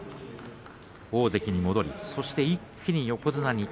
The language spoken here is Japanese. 大関に戻り、そして一気に横綱に。